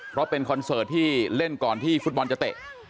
เพราะเป็นคอนเสิร์ตที่เล่นก่อนที่ฟุตบอลจะเตะ